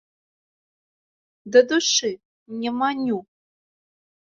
Да душы, не маню!